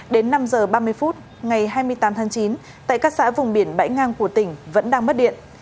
đến năm h ba mươi phút ngày hai mươi tám tháng chín tại các xã vùng biển bãi ngang của tỉnh vẫn đang mất điện